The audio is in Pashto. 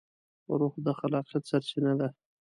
روح د خلاقیت سرچینه ده.